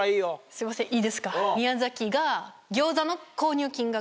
すいませんいいですか？